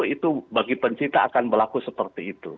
itu bagi pencipta akan berlaku seperti itu